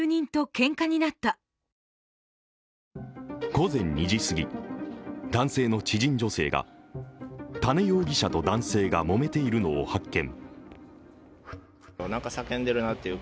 午前２時すぎ、男性の知人女性が多禰容疑者と男性がもめているのを発見。